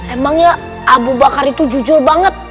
emangnya abu bakar itu jujur banget